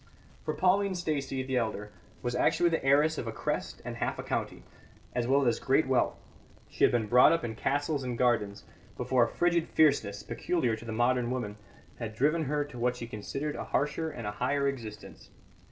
For Pauline Stacey, the elder, was actually the heiress of a crest and half a county, as well as great wealth; she had been brought up in castles and gardens, before a frigid fierceness (peculiar to the modern woman) had driven her to what she considered a harsher and a higher existence.